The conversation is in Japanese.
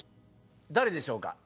だれでしょうか？